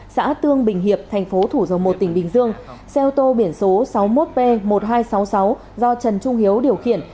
xã tương bình hiệp thành phố thủ dầu một tỉnh bình dương xe ô tô biển số sáu mươi một p một nghìn hai trăm sáu mươi sáu do trần trung hiếu điều khiển